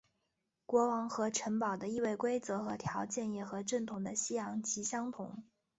国王和城堡的易位规则和条件也和正统的西洋棋相同。